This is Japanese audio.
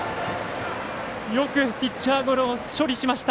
よくピッチャーゴロを処理しました。